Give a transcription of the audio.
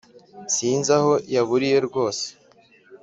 Sinzi aho yaburiye rwose